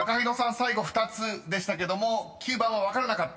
最後２つでしたけども９番は分からなかった？］